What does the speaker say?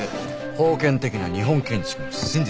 『封建的な日本建築の真実』。